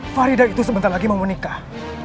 farida itu sebentar lagi mau menikah